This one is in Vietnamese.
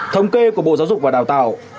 thông kê của bộ giáo dục và đào tạo